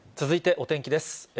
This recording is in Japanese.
続いてお天気です。